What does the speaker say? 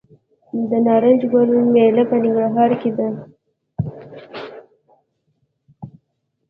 د نارنج ګل میله په ننګرهار کې ده.